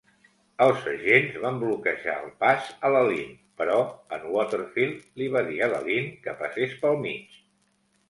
Els agents van bloquejar el pas a la Lynn, però em Waterfield li va dir a la Lynn que passés pel mig.